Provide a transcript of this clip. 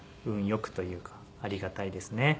運よくというかありがたいですね。